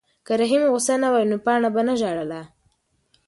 که رحیم غوسه نه وای نو پاڼه به نه ژړله.